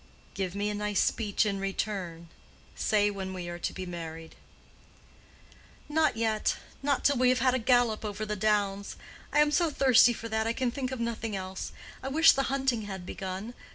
"Give me a nice speech in return. Say when we are to be married." "Not yet. Not till we have had a gallop over the downs. I am so thirsty for that, I can think of nothing else. I wish the hunting had begun.